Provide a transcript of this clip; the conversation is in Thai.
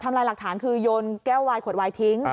ลายหลักฐานคือโยนแก้ววายขวดวายทิ้ง